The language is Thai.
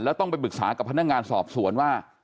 แล้วต้องไปปรึกษากับพนักงานสอบสวนว่า